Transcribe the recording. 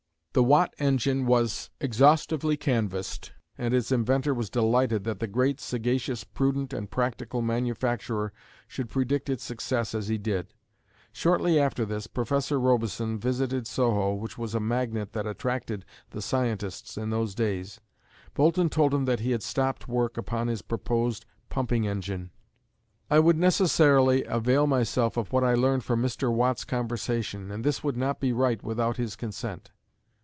The Watt engine was exhaustively canvassed and its inventor was delighted that the great, sagacious, prudent and practical manufacturer should predict its success as he did. Shortly after this, Professor Robison visited Soho, which was a magnet that attracted the scientists in those days. Boulton told him that he had stopped work upon his proposed pumping engine. "I would necessarily avail myself of what I learned from Mr. Watt's conversation, and this would not be right without his consent."